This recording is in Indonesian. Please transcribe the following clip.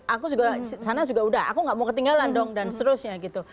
aku juga sana sudah aku tidak mau ketinggalan dong dan seterusnya